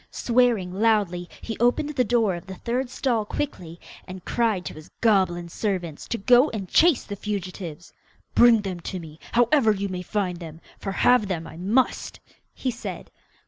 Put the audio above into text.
Swearing loudly, he opened the door of the third stall quickly, and cried to his goblin servants to go and chase the fugitives. 'Bring them to me, however you may find them, for have them I must!' he said.